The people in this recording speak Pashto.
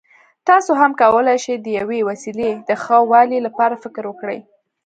تاسو هم کولای شئ د یوې وسیلې د ښه والي لپاره فکر وکړئ.